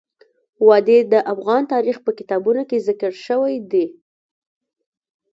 وادي د افغان تاریخ په کتابونو کې ذکر شوی دي.